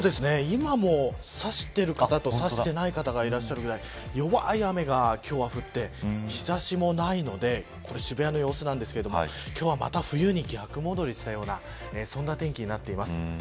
今もさしている方とさしてない方がいらっしゃるくらい弱い雨が今日は降って日差しもないので渋谷の様子なんですが今日はまた冬に逆戻りしたようなそんな天気になっています。